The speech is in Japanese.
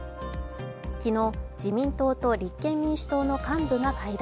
昨日、自民党と立憲民主党の幹部が会談。